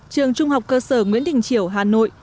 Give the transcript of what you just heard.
trường trung học cơ sở nguyễn đình triều hà nội